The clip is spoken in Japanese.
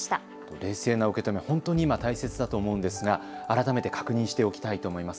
冷静な受け止め、本当に今、大切だと思うんですが、改めて確認しておきたいと思います。